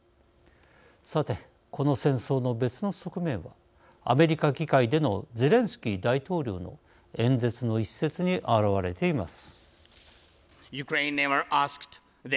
さて、この戦争の別の側面はアメリカ議会でのゼレンスキー大統領の演説の一節に表れています。